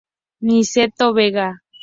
Niceto Vega.